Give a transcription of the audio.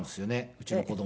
うちの子供。